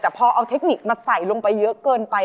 แต่พอเอาเทคนิคมาใส่ลงไปเยอะเกินไป